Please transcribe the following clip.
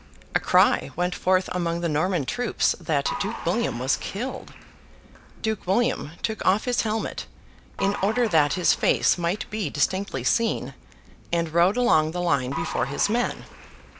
A cry went forth among the Norman troops that Duke William was killed. Duke William took off his helmet, in order that his face might be distinctly seen, and rode along the line before his men.